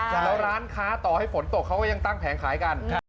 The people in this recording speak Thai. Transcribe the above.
แล้วร้านค้าต่อให้ฝนตกเขาก็ยังตั้งแผงขายกัน